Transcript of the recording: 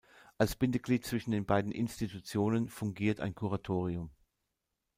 Als Bindeglied zwischen den beiden Institutionen fungiert ein Kuratorium.